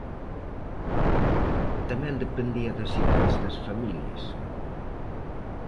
Tamén dependía da idades das familias.